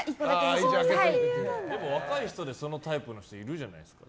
でも若い人でそのタイプの人いるじゃないですか。